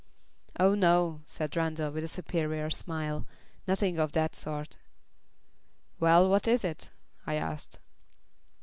"Oh, no," said Randall, with a superior smile "Nothing of that sort." "Well, what is it?" I asked.